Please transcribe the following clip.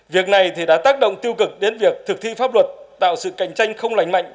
việc này thì đã tác động tiêu cực đến việc thực thi pháp luật tạo sự cạnh tranh không lành mạnh